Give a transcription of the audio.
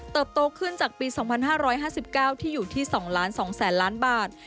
โตขึ้นจากปี๒๕๕๙ที่อยู่ที่๒๒๐๐๐ล้านบาท